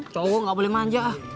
cowok gak boleh manja